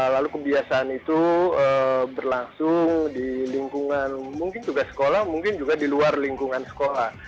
lalu kebiasaan itu berlangsung di lingkungan mungkin juga sekolah mungkin juga di luar lingkungan sekolah